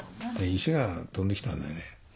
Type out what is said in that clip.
石が飛んできたんだよね。